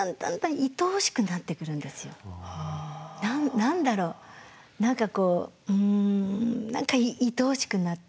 何だろう何かこううん何かいとおしくなって。